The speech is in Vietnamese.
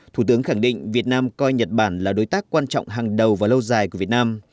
thủ tướng khẳng định việt nam coi nhật bản là đối tác quan trọng hàng đầu và lâu dài của việt nam